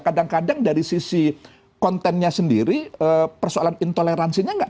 kadang kadang dari sisi kontennya sendiri persoalan intoleransinya nggak